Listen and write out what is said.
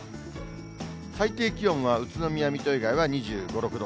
最低気温は宇都宮、水戸以外は２５、６度。